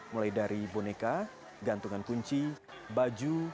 mulai dari boneka gantungan kunci baju